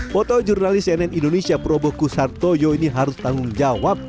foto jurnalis cnn indonesia proboku sartoyo ini harus tanggung jawab